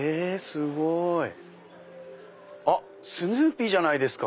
すごい！あっスヌーピーじゃないですか。